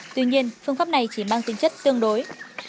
tuy nhiên phương pháp này chỉ mang tính chất tương đối